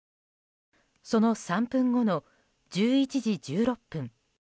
その３分後の１１時１６分。